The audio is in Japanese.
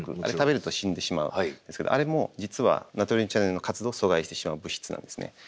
あれ食べると死んでしまうんですけどあれも実はナトリウムチャネルの活動を阻害してしまう物質なんですね。